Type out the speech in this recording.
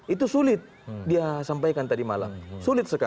itu sulit dia sampaikan tadi malam sulit sekali